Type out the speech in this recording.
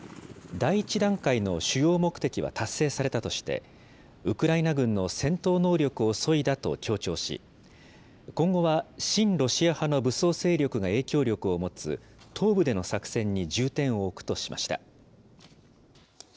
第１段階の主要目的は達成されたとして、ウクライナ軍の戦闘能力をそいだと強調し、今後は親ロシア派の武装勢力が影響力を持つ、東部での作戦に重点を置くとしました。